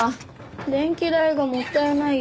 電気代がもったいないよ。